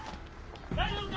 大丈夫か！？